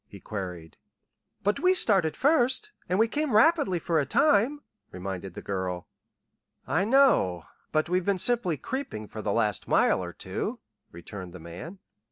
he queried. "But we started first, and we came rapidly for a time," reminded the girl. "I know, but we've been simply creeping for the last mile or two," returned the man.